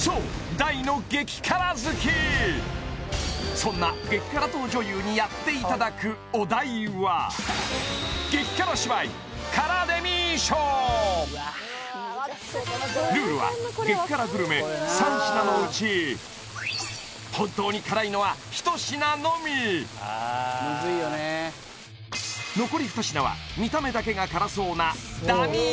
そんな激辛党女優にやっていただくお題はルールは激辛グルメ３品のうち残り２品は見た目だけが辛そうなダミー